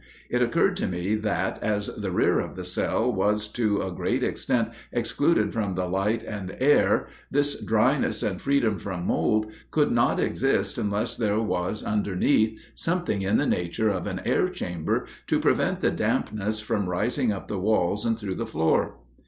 It occurred to me that, as the rear of the cell was to a great extent excluded from the light and air, this dryness and freedom from mold could not exist unless there was underneath something in the nature of an air chamber to prevent the dampness from rising up the walls and through the floor.